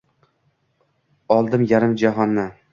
Oldim yarim jahonni.